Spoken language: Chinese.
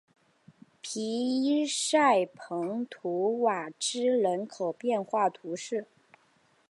皮伊塞蓬图瓦兹人口变化图示